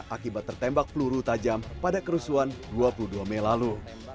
akibat tertembak peluru tajam pada kerusuhan dua puluh dua mei lalu